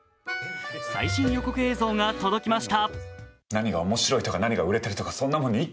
最新予告映像が届きました。